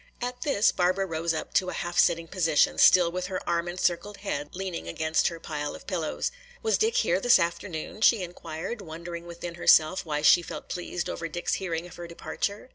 At this Barbara rose up to a half sitting position, still with her arm encircled head leaning against her pile of pillows. "Was Dick here this afternoon?" she inquired, wondering within herself why she felt pleased over Dick's hearing of her departure.